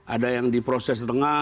ada yang diproses setengah